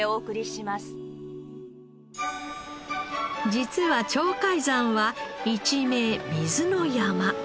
実は鳥海山は一名「水の山」。